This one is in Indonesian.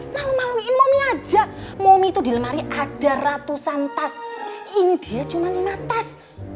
mami mami aja mami tuh di lemari ada ratusan tas ini dia cuma lima tas